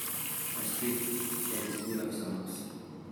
A street that is full of shops.